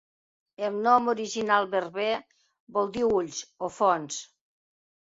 El nom original berber vol dir 'ulls' o 'fonts'.